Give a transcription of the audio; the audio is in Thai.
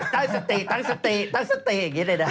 ตั้งสติอย่างนี้เลยนะ